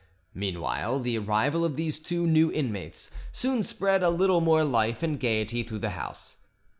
Meanwhile the arrival of these two new inmates soon spread a little more life and gaiety through the house.